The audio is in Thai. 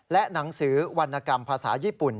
และหนังสือวรรณกรรมภาษาญี่ปุ่น